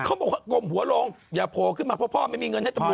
เขาบอกว่ากลมหัวลงอย่าโผล่ขึ้นมาเพราะพ่อไม่มีเงินให้ตำรวจ